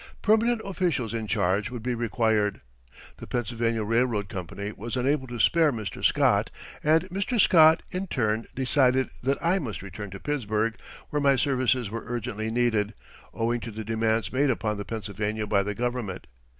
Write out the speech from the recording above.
Permanent officials in charge would be required. The Pennsylvania Railroad Company was unable to spare Mr. Scott, and Mr. Scott, in turn, decided that I must return to Pittsburgh, where my services were urgently needed, owing to the demands made upon the Pennsylvania by the Government.